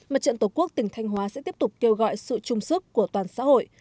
mặt trận tổ quốc tỉnh thanh hóa sẽ tiếp tục kêu gọi sự chung sức của toàn xã hội